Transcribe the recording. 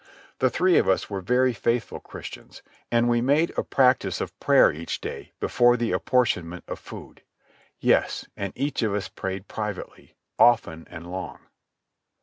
The three of us were faithful Christians, and we made a practice of prayer each day before the apportionment of food. Yes, and each of us prayed privately, often and long.